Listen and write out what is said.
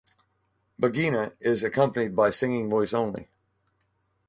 Begena is accompanied by singing voice only.